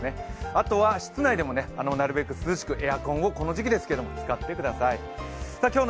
あとは室内でもなるべく涼しくエアコンをこの時期ですけれども、使ってください。